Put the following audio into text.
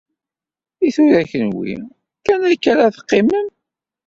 I tura kenwi, kan akka ara teqqimem?